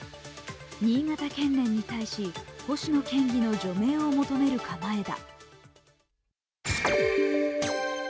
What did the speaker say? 新潟県連に対し、星野県議の除名を求める考えだ。